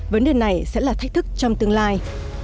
vấn đề này sẽ là thách thức trong tương lai